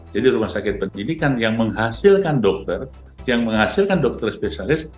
rumah sakit pendidikan yang menghasilkan dokter yang menghasilkan dokter spesialis